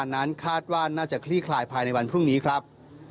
นั้นคาดว่าน่าจะคลี่คลายภายในวันพรุ่งนี้ครับ